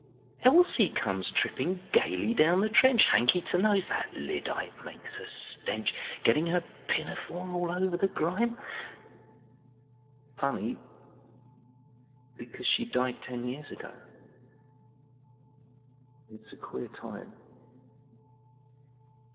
Elsie comes tripping gaily down the trench, Hanky to nose—that lyddite makes a stench—Getting her pinafore all over grime. Funny! because she died ten years ago! It's a queer time.